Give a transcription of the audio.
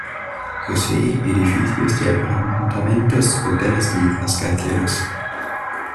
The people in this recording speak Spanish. Posee edificios de apartamentos, hoteles y rascacielos.